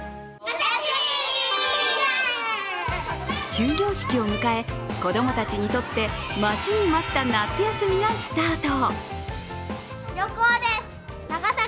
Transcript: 終業式を迎え、子供たちにとって待ちに待った夏休みがスタート。